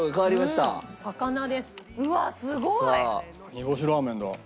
煮干しラーメンだ。